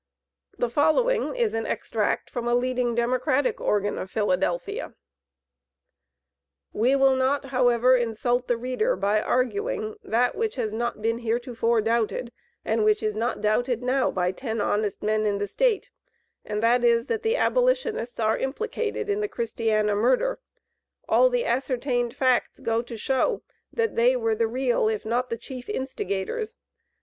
The following is an extract from a leading democratic organ of Philadelphia: "We will not, however, insult the reader by arguing that which has not been heretofore doubted, and which is not doubted now, by ten honest men in the State, and that is that the abolitionists are implicated in the Christiana murder. All the ascertained facts go to show that they were the real, if not the chief instigators.